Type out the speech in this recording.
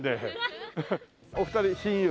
お二人親友？